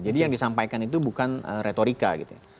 jadi yang disampaikan itu bukan retorika gitu